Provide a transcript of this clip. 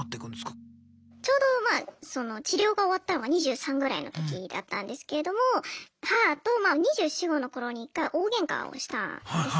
ちょうどまあその治療が終わったのが２３ぐらいの時だったんですけれども母とまあ２４２５の頃に一回大ゲンカをしたんですね。